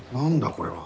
これは。